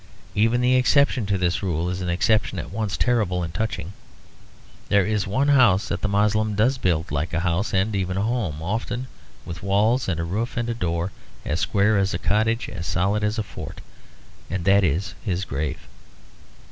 Even the exception to this rule is an exception at once terrible and touching. There is one house that the Moslem does build like a house and even a home, often with walls and roof and door; as square as a cottage, as solid as a fort. And that is his grave.